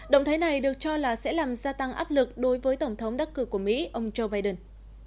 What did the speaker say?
động thái này được cho là sẽ làm gia tăng áp lực đối với tổng thống đắc cử của mỹ ông joe biden